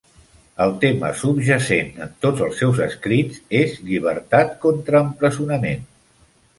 El tema subjacent en tots els seus escrits és llibertat contra empresonament.